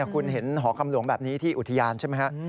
คุณเห็นหอคำหลวงแบบนี้ที่อุทยานใช่ไหมฮะ